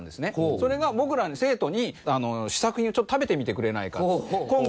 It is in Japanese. それが僕ら生徒に試作品を食べてみてくれないかと。